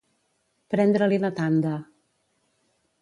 Prendre-li la tanda.